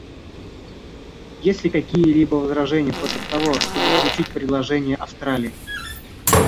Есть ли какие-либо возражения против того, чтобы включить предложение Австралии?